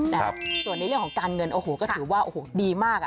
นะครับส่วนในเรื่องของการเงินโอ้โหก็ถือว่าโอ้โหดีมากอ่ะ